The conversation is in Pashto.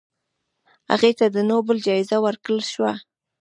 هغې ته د نوبل جایزه ورکړل شوه.